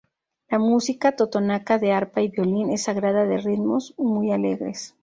La música totonaca de arpa y violín es sagrada, de ritmos muy alegres.